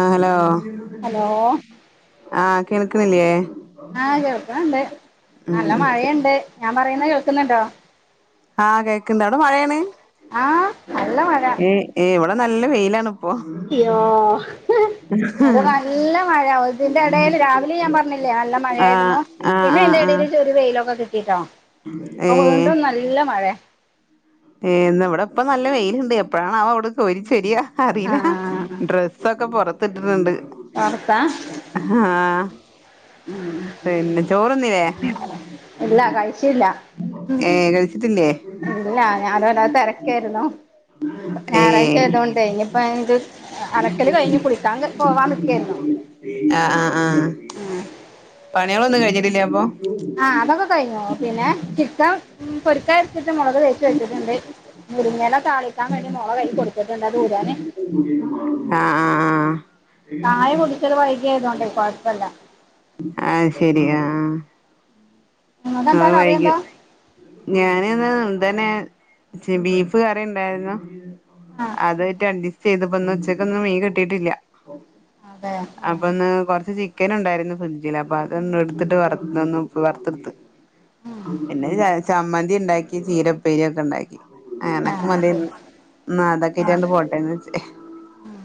ആഹ് hello. Hello. ആഹ് കേൾക്ക്‌ന്നില്ലേ? ആഹ് കേൾക്ക്‌ണണ്ട്. നല്ല മഴയെണ്ട്. ഞാൻ പറയുന്ന കേൾക്കുന്നുണ്ടോ? ആഹ് കേൾക്ക്‌ണ്ട് അവിടെ മഴയാണ്? ആഹ് നല്ല മഴ. ഏ ഏ ഇവടെ നല്ല വെയിലാണ്. ഇപ്പൊ ഇയ്യോ. ഇങ്ങട് നല്ല മഴ ഉതിന്റെ ഇടേൽ രാവിലെ ഞാൻ പറഞ്ഞില്ലേ നല്ല മഴ ആ ആയിരുന്നു? ആ പിന്നെ അതിന്റെഎടേലെച്ചൊരു വെയിലൊക്കെ കിട്ടിയിട്ടോ. ഏഹ്. നല്ല മഴേ. ഏഹ് ഇന്നാ ഇവിടെപ്പ നല്ല വെയിലിണ്ട് എപ്പഴാാണവൊവിടെ കോരി ചൊരിയ അറിയില്ല. ആഹ് ഡ്രസ്സൊക്കെ പൊറത്തിട്ടിട്ട്ണ്ട്. പാറത്താ ആഹ്. പിന്നെ ചോറ്ന്നില്ലേ? ഇല്ല കഴിച്ചില്ല ഏഹ് കഴിച്ചിട്ടില്ലേ? ല്ല ഞാനല്ലാതെ തിരക്കായിരുന്നു ഏ ഞായറാഴ്ച ആയതൊണ്ട് ഇ [unintelligible] അലക്കല് കഴിഞ്ഞ് കുളിക്കാൻ പോവാൻ നിൽക്കുകയായിരുന്നു ആഹ് ആഹ് ആഹ് പണികളൊന്നും കഴിഞ്ഞിട്ടില്ല അപ്പൊ ആഹ് അതൊക്കെ കഴിഞ്ഞോ പിന്നെ ചിക്കൻ പൊരിക്കൽ [unintelligible] മുളക് തേച്ച് വച്ചിട്ടുണ്ട് മുരിങ്ങേല താളിക്കാൻ വേണ്ടി മോളുടെ കൈ കൊടുത്തിട്ടുണ്ട് അത് ഉരാന് ആഹ് ചായ കുടിച്ചത് വൈകിയ ആയതോണ്ടേ കുഴപ്പമില്ല ആഹ് ശരിയാാ നിങ്ങക്കെന്താ അഹ് കറി വൈകി എന്താ ഞാനന്ന് തന്നെ ബീഫ് കറി ഉണ്ടായിന്നു ആഹ് അത്ട്ട് അഡ്ജസ്റ്റ് ചെയ്തപ്പന്ന് ഇന്നുച്ചയ്ക്ക് മീൻ കിട്ടിട്ടില്ല അതെ അപ്പൊ ആഹ് ഒന്ന് കൊറച്ച് ചിക്ക ചിക്കൻണ്ടായിരുന്നു ഫ്രിഡ്ജിൽ അപ്പൊ അതൊന്ന് എടുത്തിട്ട് വറന്ന് വറുത്തെടുത്ത് ഉം പിന്നെ ചമ്മന്തി ഉണ്ടാക്കി ചീരപ്പേരി ഒക്കെ ഉണ്ടാക്കി അങ്ങനെയൊക്കെ ആഹ് ശരി മതിന്ന് ഇന്ന് അതൊക്കെ ഇട്ടാണ്ട് ആഹ് പോട്ടെന്ന് വെച്ചു ഉം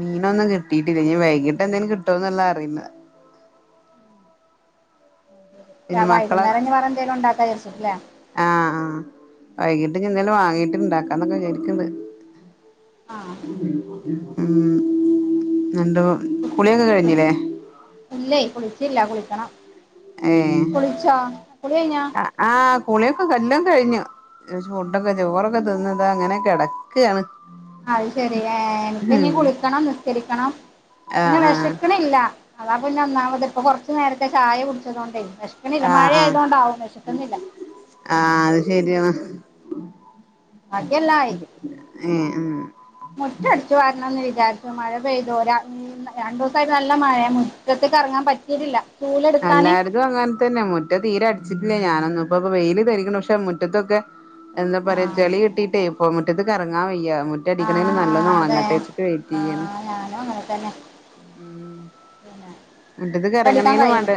മീനൊന്നും കിട്ടിട്ടില്ല ഇനി വൈകിട്ട് എന്തേലും കിട്ടോന്ന്ള്ളത് അറിയുന്ന പിന്നെ ഞാൻ മക്കളെ വൈകുന്നേരം വേറെ എന്തെങ്കിലും ഉണ്ടാക്കാൻ വിചാരിച്ചു രിച്ചിട്ടില്ലേ ആഹ് ആഹ് വൈകീട്ട് ഇഞ് എന്തെങ്കിലും വാങ്ങിട്ട് ഉണ്ടാക്കാന്നൊക്കെ വിചാരിക്കുന്നത് ആഹ് മം എന്തോ കുളിയൊക്കെ കഴിഞ്ഞില്ലേ ഇല്ലേയ് കുളിച്ചില്ല. കുളിക്കണം. കുളിച്ചോ കുളി കഴിഞ്ഞോ ആഹ് കുളിയൊക്കെ എല്ലാം കഴിഞ്ഞു. ഫുഡൊക്കെ ചോറൊക്കെ തിന്ന്ത അങ്ങനെയൊക്കെ കിടക്ക് ക്കാണ് അത് ശെരി ഏഹ് എനിക്ക് ഇനി കുളിക്കണം നിസ്കരിക്കണം ആ പിന്നെ ആ വിശക്ണില്ല അതാ പിന്നെ ഒന്നാമത് ഇപ്പൊ കുറച്ച് നേരത്തെ ചായ കുടിച്ചതുകൊണ്ടായി മഴ ആയതുകൊണ്ടാവും വിശക്കുന്നില്ല ആഹ് അത് ശരിയാണ് ബാക്കിയെല്ലാആയി ഏ ഉം മുറ്റം അടിച്ചു വാരണംന്ന് വിചാരിച്ചു മഴ പെയ്തു ഒരാ രണ്ടു ദിവസംമായിട്ട് നല്ല മഴ മുറ്റത്തക്ക് ഇറങ്ങാൻ പറ്റിട്ടില്ല എല്ലാവര്തും അങ്ങനെത്ത തന്നെ മുറ്റം തീരെ അടിച്ചിട്ടില്ല ഞാനൊന്നും ഇപ്പപ്പൊ വെയിയില് ധരിക്കണ പക്ഷെ മുറ്റത്തൊക്കെ എന്താ പറയാ ആഹ് ചെളി കിട്ടിട്ടേ പോ മുറ്റത്തേക്ക് എറങ്ങാൻ വയ്യാ [unintelligible] ആഹ് നല്ലതോണം അതെ ഉണങ്ങട്ടെ വച്ചിട്ട് വെയിറ്റ് ചെയ്യാൻ ആഹ് ഞാനും അങ്ങനെ തന്നെ പിന്നെ മുറ്റത്തേക്ക് മുറ്റടിക്കാൻ എറങ്ങണേളും വേണ്ട കഴിയണ്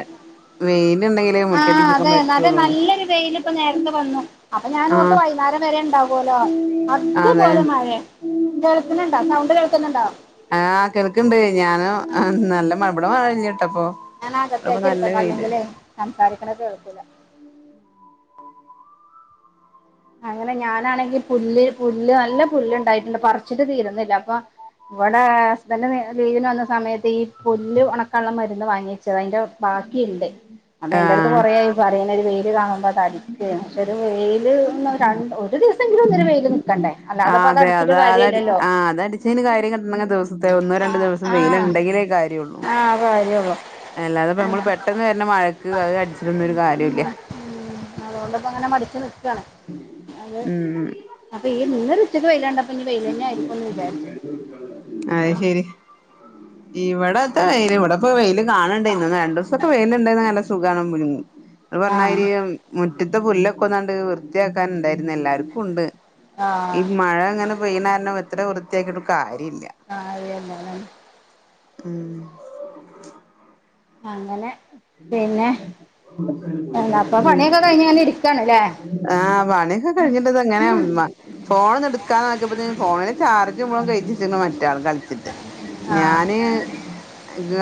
വെയിലുണ്ടെങ്ക ആഹ് അതെ അതെ നല്ലൊരു വെയില് ഇപ്പൊ നേരത്തെ വന്നു അപ്പൊ ഞാൻ ഓർത്ത് ആഹ് വൈകുന്നേരം വരെ ഉണ്ടാവലോ. അതെ അതുപോലെ മഴ കേൾക്കുന്നുണ്ടോ സൗണ്ട് കേൾക്കുന്നുണ്ടോ ആഹ് കേൾക്കുന്നുണ്ട്. ഞാന് നല്ല മഴ ഇവിടെ മഴയില്ലാട്ടോ ഞാൻ അകത്തേക്ക് ഇരിക്കട്ടെ അല്ലെങ്കിലെ സംസാരിക്കുന്നത് കേൾക്കില്ല അങ്ങനെ ഞാനാണെങ്കി പുല്ല് പുല്ല് നല്ല പുല്ല് ഉണ്ടായിട്ടുണ്ട് പറിച്ചിട്ട് തീരുന്നില്ല അപ്പൊ ഇവിടെ ഹസ്ബന്റ് ലീവിന് വന്ന സമയത്ത് ഈ പുല്ല് ഉണക്കാൻ ഉള്ള മരുന്ന് വാങ്ങിച്ചത് അതിന്റെ പാ ഇണ്ട്. അപ്പോ എന്റെ അടുത്ത് ആഹ് കൊറേ ആയി പറയുന്ന ഒരു വെയില് കാണുമ്പോൾ അടിക്ക് പക്ഷെ ഒരു വെയില് ഒന്ന് രണ്ട് ഒരു ദിവസം ആ അതെ അത അടിച്ചിട്ട് അതടി കാര്യല്ലല്ലോ ആഹ് അതടിച്ചെന് കാര്യം കിട്ടണങ്കിൽ ദിവസത്തെ ഒന്നോ രണ്ടു ആഹ് ദിവസത്തെ വെയില ആഹ് ഉണ്ടെങ്കിലേ കാര്യള്ളൂ ആഹ് കാര്യള്ളൂ അല്ലാതെപ്പൊ നമ്മൾ പെട്ടെന്ന് വരുന്ന മഴക്ക് അത് അടിച്ചിട്ടൊന്നും ഒരു കാര്യം ഇല്ല മം അതുകൊണ്ട് അങ്ങനെ മടിച്ച് നിൽക്കുകയാണ് അതേ. ഉം അപ്പൊ ഈ ഇന്നൊരു ഉച്ചയ്ക്ക് വെയിലാണ്ടപ്പോ ഇനി വെയില് തന്നെ ആയിരിക്കും എന്ന് വിചാരിച്ചു അത് ശരി ഉം ഇവിടത്തെ വെയില് ഇവിടെപ്പോ വെയിൽ കാണണ്ടായി രണ്ടുദിവസൊക്കെ വെയിലണ്ടായിന്ന് നല്ല സുഖണ് ഇങ്ങള് ആഹ് പറഞ്ഞത്രി മുറ്റത്തെ പുല്ലൊക്കെ ഒന്നണ്ട് വൃത്തിയാക്കാൻ ഉണ്ടായിരുന്ന്. എല്ലാർക്കും ണ്ട് ഈ ആഹ് മഴ ങ്ങനെ പെയ്യണ കാരണം എത്ര വൃത്തിയാക്കിട്ട് കാര്യല്ല ആഹ് അതെന്നെ അതാണ് ഉം അങ്ങനെ പിന്നെ, എന്താഅപ്പൊ പണിയൊക്കെ കഴിഞ്ഞണ്ട് ഇരിക്കാണ്ല്ലേ ആഹ് പണിയൊക്കെ കഴിഞ്ഞിട്ടത് അങ്ങനെ മ ഫോൺന്ന് എടുക്കാൻ നോക്കിയപ്പോത്ന് ഫോണെല് ചാർജ് മുഴുവൻ കഴിച്ചിവെച്ചിക്ണ് മറ്റൾ കളിച്ചിട്ട് ആഹ് ഞാന്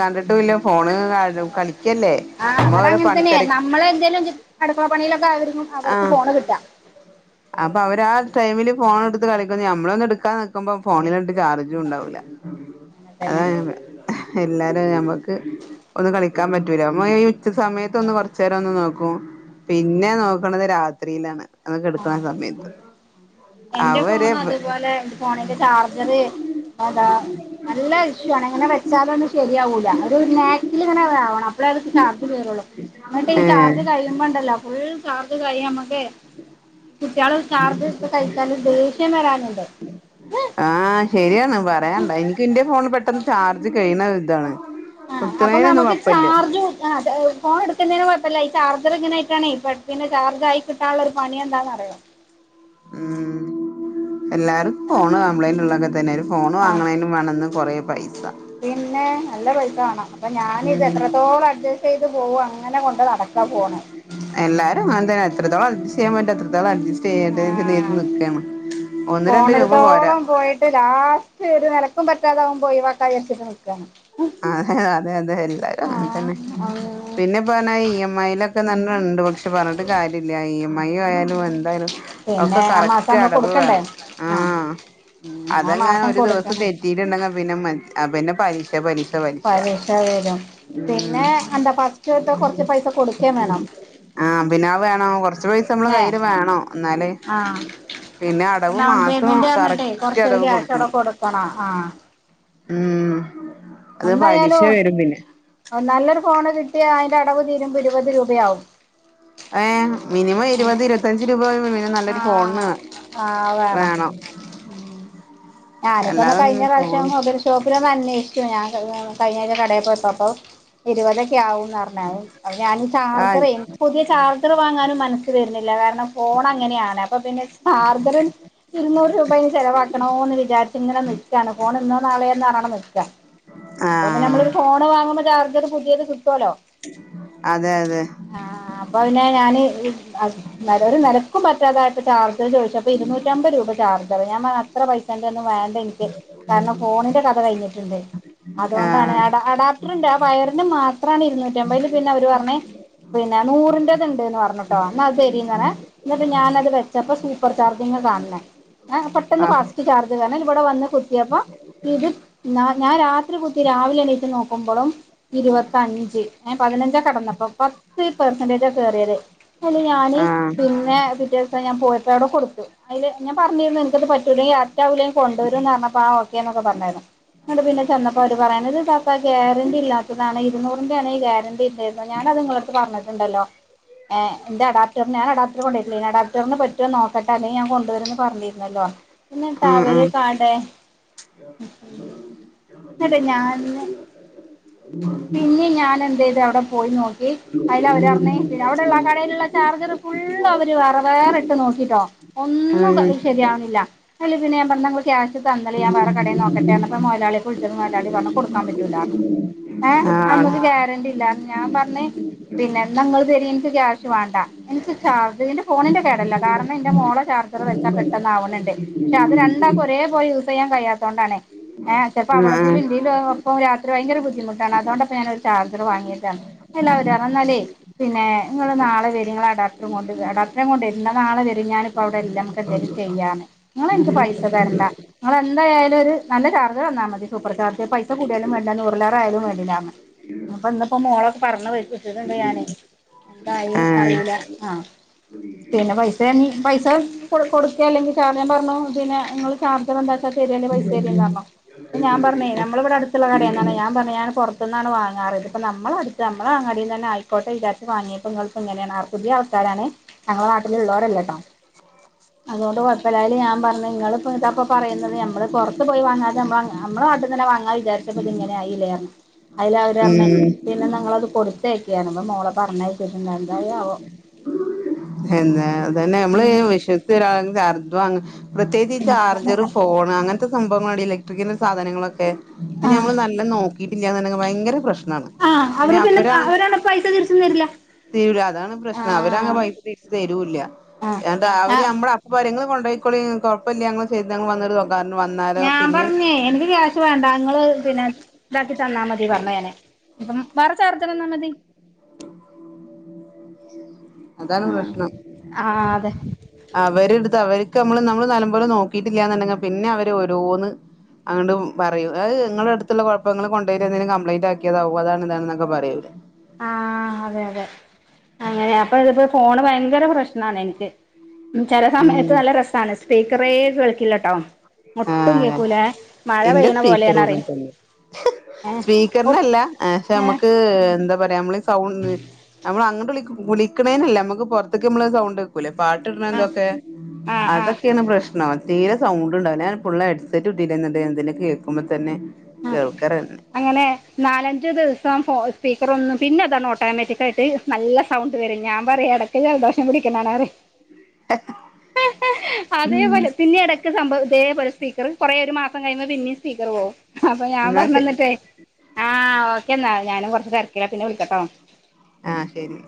കണ്ടിട്ടുല്ല ഫോണ് ക കളിക്കല്ലേ ആഹ് നമ്മള് അവര് ഓരോ അങ്ങനെ തന്നെ പണിത്തിരക്ക് നമ്മളെ എന്തേലും അടുക്കള പണിയിലൊക്കെ ആ അവർക്ക് ആഹ് ഫോണ് കിട്ടാ ഉ അപ്പൊ അവര് ആ ടൈമില് ഫോൺ എടുത്ത് കളിക്കും. നമ്മളോന്ന് എടുക്കാ നോക്കുമ്പോ ഫോണിലിട്ട് ചാർജും ഉണ്ടാവൂല്ല അങ്ങനെ അത തന്നെ [unintelligible] എല്ലാരും ഞമ്മക്ക് ഒന്ന് കളി ക്കാൻ പറ്റൂല അമ്മ ഈ ഉച്ച സമയത്ത് ഒന്ന് കുറച്ച നേരം ഒന്ന് നോക്കൂ പിന്നെ നോക്ക്ണത് രാത്രിയിലാണ് ഒന്ന് കെട്ക്ക്ണ ആഹ് സമയ എന്റെ ഫോണ് അതുപോലെ ന്റെ ഫോണിന്റെ ചാർജറ് അതാ നല്ല ഇഷു ആണ് ഇങ്ങനെ വെച്ചാലൊന്നും ശരിയാവൂല്ല ഒരുനേക്ക് ക്ക്ല് ഇങ്ങനെ വേണം അപ്പളെ അത് ചർജ് കയറുള്ളൂ എന്നിട്ട് ഈ ഏ ചാർജ് കഴിയുമ്പണ്ടല്ലോ ഫുൾ ചാർജൊ കയ് നമ്മക്കെ കുട്ടിയള് ചാർജ് ഇട്ത്ത് കഴിക്കാന് ദേഷ്യം വരാനുണ്ട് ആഹ് ശരിയാണ് പറയണ്ട ഇൻക്ക് ഇന്റെ ഫോണ് പെട്ടെന്ന് ചാർജ് കഴിണ ഇതാണ് ആഹ് അപ്പൊ കുത്തണേനൊന്നും നമുക്ക് കൊഴപ്പില്ല ചാർജും ആഹ് അത് ഫോണ് എടുക്കുന്നേന് കോഴപ്പല്ല ഈ ചാർജർ ഇങ്ങന ആയിട്ടാണെ പെട്ടെന്ന് ചാർജ് ആയി കിട്ടാള്ള പണി എന്താന്നറിയോ ഉം എല്ലാരും ഫോണ് കംപ്ലൈൻന്റ് ഉള്ളതൊക്കെ തന്നെ ഒരു ഫോണും ആ വാങ്ങണേനും വേണം ഇന്ന് കൊറേ പൈസ പിന്നെ നല്ല പൈസ വാണം. അപ്പം ഞാനിത് ഉം എത്രത്തോളം അഡ്ജസ്റ്റ് ചെയ്ത് പോകും അങ്ങനെ കൊണ്ട് നടക്കാ ഫോണ് എല്ലാരുംങ്ങനെ തന്നെ എത്രത്തോളം അ്ഡ്ജെസ്റ് ചെയ്യാൻ പറ്റോ അത്രത്തോളം അഡ്ജിസ്റ്റ് ചെയ്യട്ടെ വിചാരിച്ച് ചെയ്ത് ആഹ് നിക്കണ് ഒന്ന് രണ്ട് രൂപ പോരാ പോണെടുത്തോളം പോയിട്ട് ലാസ്റ്റ് ഒരു നെലക്കും പറ്റാതാവുമ്പോ ഒഴിവക്കാ വിചരിച്ചിട്ട് നിക്കണ് അ ഹെ അതെ അതെ എല്ലാരും അങ്ങനെ ആഹ് തന്നെ ആഹ് പിന്നെ പർഞ്ഞ ഇ എം ഐയിലൊക്കെണ്ട് പക്ഷെ പറഞ്ഞിട്ട് കാര്യല്ല ഇ എം ഐ ആയാലും എന്തായാലും ഒക്കെ പിന്നെ ആ മാസം കറക്റ്റ് നമ്മള് അടവ് വേണം കൊടുക്കണ്ടേ ആഹ് ഉം ആ അതെങ്ങാന് മാസം ഒരു ദിവസം കൊടുക്കണം തെറ്റ് റ്റീട്ട്ണ്ടെങ്കിൽ പിന്നെ മ പിന്നെ പലിശ പലിശ പലശ പലിശ പരീക്ഷ വരും ഉം പിന്നെ എന്താ ഫസ്റ്റ്ത്തെ കൊറച്ച് പൈസ കൊടുക്കേം വേണം ആഹ് പിന്നെ അത് വേണം കൊറച്ച് പൈസ നമ്മളെ ല്ലേ കയ്യില് വേണം ന്നല് ആഹ് പിന്നെ അടവ് ഡൗൺ മാസം പേയ്മെന്റ് പറഞ്ഞിട്ടേ കറക്റ്റ് കൊറച്ചൊരു അടവ് ക്യാഷ് കൊടുക്കും അവിടെ കൊടുക്കണം ആഹ് ഉം അത് പലിശ എന്തായാലും വരും പിന്നെ നല്ലൊരു ഫോണ് കിട്ടിയ അതിന്റെ അടവ് തീരുമ്പോ ഇരുപത് രൂപയാവും ഏഹ് മിനിമം ഇരുപത് ഇരുപത്തഞ്ച് രൂപ [unintelligible] ആഹ് ഫോണിന് ആഹ് അത് വേണം ഉം ഞാൻപ്പന്നെ കഴിഞ്ഞ അല്ലാതൊന്നും ഫോൺ പ്രാവശ്യം മൊബൈൽ ഷോപ്പിലൊന്നന്വേഷിച്ചു ഞാൻ കഴിഞ്ഞഴ്ച്ച കടേ പോയപ്പൊ അപ്പൊ ഇരുപതൊക്കെ ആകുന്നർഞ്ഞു ഞാന് ആഹ് ചാർജറെ പുതിയ ചാർജറ് വാങ്ങാനും മനസ്സ് വര്ന്നില്ല കാരണം മ്മ അങ്ങനെയാണ് അപ്പൊ പിന്നെ ചാർജറ് ഇരുന്നൂറ് രൂപയ്ന് ചെലവാക്കണോ ന്ന് വിചാരിച്ച് ങ്ങനെ നിക്കാണ് ഫോണ് ഇന്നോ നാളെയന്ന് പറഞ്ഞണ്ട് നിക്കാ അപ്പൊ പിന്നെ ആഹ് നമ്മള് ഫോണ് വാങ്ങുമ്പോ ചാർജർ പുതിയത് കിട്ടുവല്ലോ അതെ അതെ ആഹ് അപ്പ [unintelligible] ഞാന് ഒരു നിരക്കും പറ്റാതായിട്ട് ചാർ ചദിച്ചപ്പോ ഇരുന്നൂറ്റമ്പത് രൂപ ചാർജറ് ഞാൻ പർഞ്ഞ് അത്ര പൈസന്റന്ന് വേണ്ടെനി [unintelligible] കാരണം ഫോണിന്റെ കഥ കഴിഞ്ഞിട്ടുണ്ട് അതുകൊണ്ടാണ് ആഹ് അട അടാ ട്‌റ്ണ്ട് ആഹ് വയറിന് മാത്രണ് ഇരുന്നൂറ്റമ്പതില് പിന്നെ അവര് പറഞ്ഞ് പിന്നെ നൂറിന്റത് ഇണ്ട്ന്ന് പറഞ്ഞ്ട്ടോ ന്ന അത് തെരീന്നർഞ്ഞ് ന്നട്ട് ഞാനത് വെച്ചപ്പോൾ സൂപ്പർ ചാർജിങ്ങ് കാണേ പെട്ടന്ന് ആഹ് ഫാസ്റ്റ് ചർ ത് വന്ന് ഇവിടെന്ന് കുത്തിയപ്പ ഇത് ഞ ഞാൻ രാത്രി കുത്തി രാവിലെ എണീച്ച് നോക്കുമ്പളും ഇരുപത്തഞ്ച് അ പതിനഞ്ചാ കടന്നപ്പോ പത്ത് പെർസെന്റേജ കയറിയത് അല്ല ഞാന് ആഹ് പിന്നെ പിറ്റേ ദിവസം ഞാ പോട്ട് അവിടെ കൊടുത്തു അതില് ഞാ പറഞ്ഞിരുന്നു നിനക്ക്ത് പറ്റൂലയാ രാവലും കൊണ്ടുവരുംന്ന് പറഞ്ഞപ്പ ഓക്കേ എന്നൊക്കെ പറഞ്ഞായിരുന്നു ങ്ങട്ട് പിന്നെ ചെന്നപ്പോ അവര് പറയുന്നത്ത് ഇത്പ്പൊ താത്ത ഗ്യാരണ്ടി ഇല്ലാത്തതാണ് ഇരുന്നൂറിന്റണ് ഈ ഗാരണ്ടി ഉണ്ടായിരുന്നത് ഞാന അത് ഇങ്ങള് പറഞ്ഞിട്ടുണ്ടല്ലോ എന്റെ അടാപ്റ്റർ ഞാൻ അട ഇ കൊണ്ടിട്ടില്ലനി അടാപ്റ്ററിന് പറ്റുമോ നോക്കട്ടെ അല്ലെങ്ക ഞാൻ കൊണ്ടുവരന്ന് പറഞ്ഞിരുന്നല്ലോ ഉം ഇന്നിട്ടവര് ഉം കട ന്നിട്ട് ഞാന് പിന്നെ ഞൻ എന്ത ചെയതു അവിടെ പോയി നോക്കി അതിൽ അവരറഞ് പിന്നെ അവിടെള്ള കടയിലുള്ള ചാർജർ ഫുള്ള് അവര് വേറെ വേറെ ഇട്ട് നോക്കിട്ടോ ഒന്നും ഉം ശരിയാവുന്നില്ല അയ്ല് പിന്നെ പർഞ്ഞ് ന്നാ ങ്ങള് ക്യാഷ് തന്നാളി ഞാൻ വേറെ കടയി നോക്കട്ടെർഞ്ഞപ്പോ മുതലളി ക്കിളിച്ചപ്പൊ മുതലളി പറഞ്ഞു കൊടുക്കാൻ പറ്റൂലാറിഞു ഏ ആഹ് അതൊന്നിനും ഗ്യാരണ്ടി ഇല്ല ഞാൻ പറഞ്ഞ പിന്നെ ന്നങ്ങള് തെരി എനിക്ക് ക്യാഷ് വേണ്ട എനിക്ക് ചാർജർ ഇന്റെ ഫോണിന്റെ കേടല്ല കാരണം എന്റെ മോള ചാർജർ വെച്ചാ പെട്ടെന്ന് ആവുണണ്ട് പക്ഷെ അത് രണ്ടാക്കെ ഒരേ പോലെ യൂസ് ചെയ്യാൻ കഴിയാത്തത കൊണ്ടാണ് ഏ ചെൽപ്പോ ഉം അവളതെൽ ഉം ഇന്റെയിലും അപ്പ രാത്രി ഭയങ്കര ബുദ്ധിമുട്ടാണ് അതോണ്ടാപ്പൊ ഞാന ഒരു ചാർജർ വാങ്ങിയത് അല്ല അവര് ഇന്നല്ലേ പിന്നെ നിങ്ങൾ നാളെ വേരി ങ്ങളെ അട കൊണ്ട് അടാപ്റ്ററുംകൊണ്ടുവരിം ന്നാ നാളെ വരിം ഞാൻ ഇപ്പൊ അവിടെ ഇല്ലാ നമുന്തേലും ചെയ്യർഞ്ഞ നിങ്ങള എനിക്ക് പൈസ തരണ്ട നിങ്ങെന്തായാലും ഒരു നല്ല ചാർജ് തന്നാൽ മതി സൂപ്പർ ചാർജ് പൈസ കൂടിയാലും വേണ്ട നൂറിലേറേ ആയാലും വേണ്ടില്ലാറിഞ്ഞു ഇപ്പ ഇന്നിപ്പോ മോളൊക്കെ പറഞ്ഞ വിച്ചട്ടിണ്ട് ഞാന് എന്തായി ആഹ് അറിയില്ല ആ പിന്നെ പൈസ പൈസ കൊ കൊടുക്കുക അല്ലെങ്കിൽ ഞാ പറഞ്ഞു പിന്നെ നിങ്ങള് ചാർജർ ഉണ്ടാക്കാൽ ശെരി പൈസ തല്ലന്ന് പറഞ്ഞു ഞാൻ പറഞ്ഞേ നമ്മള ഇവിടെ അടു മുള്ള കടയാണ് ഞാ പറഞ്ഞ ഞാ പുറ നിന്നാണ് വാങ്ങാറ്ത് ഇപ്പൾ നമ്മളടു നമ്മ ആങ്ങടൽന്നെ ആയിക്കോട്ട വിചരിച്ച വാങ്ങിടയത് പങ്ങൾക്കും എങ്ങനെയാണ് ആർ പുതിയ ആൾക്കാരാണ് ഞങ്ങളെ നാട്ടിലുള്ളവരല്ല കേട്ടോ [unintelligible] അതുകൊണ്ട് കൊഴപ്പല്ല ഞാൻ പറഞ്ഞു നിങ്ങ ഇപ്പ പറയുന്നത് ഞമ്മള് പുറത്ത് പോയി വാങ്ങാതെമ്മ നമ്മളും അട്ട തന്നെ വാങ്ങാൻ വിചാരിച്ചപ്പോ ഇത് ഇങ്ങനെ ആയില്ല അയ്ല് അവര്റഞ്ഞേ ഉം പിന്നെ നിങ്ങളത് കൊടുത്തയക്കാണ്പ്പൾ മോളെ പറഞ്ഞയഴച്ചിട്ടുണ്ടായിന്തയാവോ എന്താ അതനെ നമ്മള് വിശ്വ ഒരാളെ അർഥ പ്രത്യേകിച്ച് ചാർജർ ഫോണും അങ്ങനത്തെ സംഭവങ്ങള ഇലക്ട്രിക്ക സാധനങ്ങളൊക്കെ ആഹ് നമ്മൾ നല്ല നോക്കിയിട്ടില്ല ഭയരങ്കര പ്രശ്നം ആഹ് പിന്നെ അവര് അവരാണ് പൈസ തിരിച്ചും തരില്ല തീരൂല അതാണ് പ്രശ്നം അവര ആഹ് തിരിച്ചു തരൂല്ല ആഹ് ന്നിട്ട് അവര് ആഹ് നമ്മ ഇരങ്ങള് കൊ പോയിക്കോളി കുഴപ്പമില്ല ഞൾ ചെയ്ത് വന്ന പറഞ്ഞ വന്ന ഞാൻ പറഞ്ഞേ എനക്ക് വേണ്ട ങ്ങള് പിന്നെ ഇതാക്കി തന്നാൽ മതി പറഞ്ഞ നെ ഇപ്പം വേറെ ചേർത്ത തന്നാ മതി അതാണ് ആഹ് പ്രശ്നം ആഹ് അതെ അവര്ടുത്ത് അവർക്ക് നമ്മള് നമ്മള് നല്ല പോലെ നോക്കിട്ടില്ലന്നുണ്ടെങ്ക പിന്നെ അവര് ഓരോന്ന് അങ്ങൊണ്ട് പറയും അത് നിങ്ങളുടെ അടുത്തുള്ള കുഴപ്പങ്ങങ്ങള് കൊണ്ടോയിടട്ട് എന്തെങ്കും കംപ്ലയിന്റ് ആക്കിയതാവ അതാണ് ഇതാണെന്നൊക്കെ പറയും ഓല് ആ അതെ അതെ അങ്ങനെ അപ്പൊ ഇതിപ്പോ ഫോണ് ഭയങ്കര പ്രശ്നണ ഇൻക്ക് ഉം ചില സമയത്ത് ഉം നല്ല രസണ് സ്പീക്കറെ കേളിക്കില്ലട്ടോ ഒട്ടും ആഹ് കേക്കൂലേ മഴ പെയ്യണ പോലെയണറിം സ്പീക്കർണല്ല ക്ഷെ നമ്മക്ക് എന്താ പറയാ നമ്മള സൗണ്ട് നമ്മൾ അങ്ങട്ട് വിളിക്കണേനല്ലേ നമ്മുക്ക് പുറത്തേക്ക നമ്മള് സൗണ്ടേക്കൂലെ പാട്ട് ആഹ് തൊക്കെ ആഹ് ആഹ് അതൊക്കെണ് പ്രശ്നം തീരെ സൗ ണ്ടാവില്ല ഞൻഫുള്ള ഹെഡ്സെറ്റ് കുത്തീട്ട എന്തിനല കേൾക്കുമ്പോ തന്നെ ആഹ് കേൾക്കലെന്നെ അങ്ങനെ നാലഞ്ച ദിവസം ഫോ സ്പീക്കർ ഒന്നും പിന്നെ അതാണ് ഓട്ടോമാറ്റിക്കയിട്ട് നല്ല സൗണ്ട് വരും ഞാൻ പറയാ ഇടക്ക് ജലദോഷം പിടിക്കണണറിയ [unintelligible] ഉം അതേപോലെ പിന്നെട സംഭവം ഇതേപോലെ സ്പീക്കർ കുറേ ഒരു മാസം കഴിയുമ്പോ പിന്നിം സ്പീക്കർ പോവും അപ്പൊ ഞാൻ എന്നാ ശ പറഞ്ഞുന്നിട്ടേ ആഹ് ഓക്കെന്നാ ഞാനും കുറച്ച് തിരക്കില പിന്നെ വിളിക്കട്ടോ ആ ഹ് ശരി